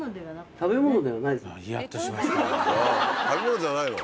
食べ物じゃないの？